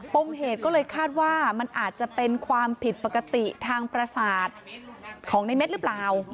มเหตุก็เลยคาดว่ามันอาจจะเป็นความผิดปกติทางประสาทของในเม็ดหรือเปล่า